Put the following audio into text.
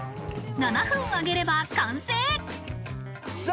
７分揚げれば完成。